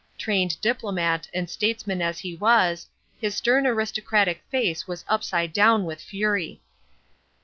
Trained diplomat and statesman as he was, his stern aristocratic face was upside down with fury.